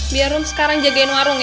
biar room sekarang jagain warung ya